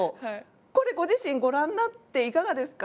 これ、ご自身ご覧になっていかがですか？